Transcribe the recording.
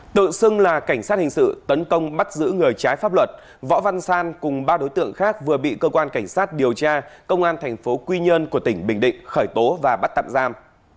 tự xưng là cảnh sát hình sự tấn công bắt giữ người trái pháp luật võ văn san cùng ba đối tượng khác vừa bị cơ quan cảnh sát điều tra công an thành phố quy nhơn của tỉnh bình định khởi tố và bắt tạm giam